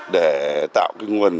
để tạo cái nguồn lực